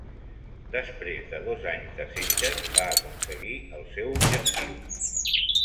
Després de dos anys de setges, va aconseguir el seu objectiu.